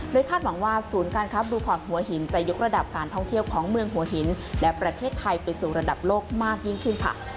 คาดหวังว่าศูนย์การค้าบลูพอร์ตหัวหินจะยกระดับการท่องเที่ยวของเมืองหัวหินและประเทศไทยไปสู่ระดับโลกมากยิ่งขึ้นค่ะ